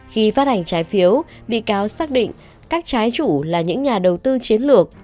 khi phát hành trái phiếu bị cáo xác định các trái chủ là những nhà đầu tư chiến lược